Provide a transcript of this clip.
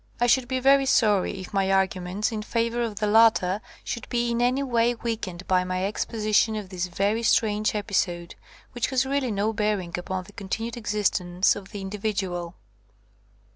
I should be sorry if my arguments in favour of the latter should be in any way weakened by my exposition of this very strange epi sode, which has really no bearing upon the continued existence of the individual.